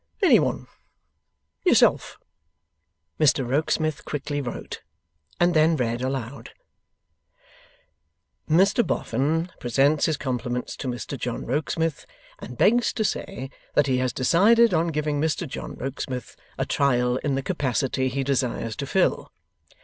'Anyone. Yourself.' Mr Rokesmith quickly wrote, and then read aloud: '"Mr Boffin presents his compliments to Mr John Rokesmith, and begs to say that he has decided on giving Mr John Rokesmith a trial in the capacity he desires to fill.